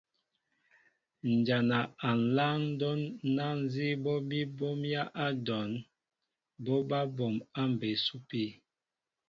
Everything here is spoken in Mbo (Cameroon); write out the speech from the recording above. Njana a nláaŋ ndɔn na nzi ɓɔɓi ɓomya a dyɔnn, ɓɔ ɓaa ɓom a mbé supi.